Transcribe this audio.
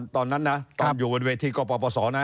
ตอนนั้นนะตอนอยู่บนเวทีกรณ์ประวัฒนศาสตร์นะฮะ